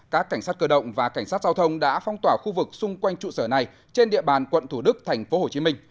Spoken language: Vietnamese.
các cảnh sát cơ động và cảnh sát giao thông đã phong tỏa khu vực xung quanh trụ sở này trên địa bàn quận thủ đức tp hcm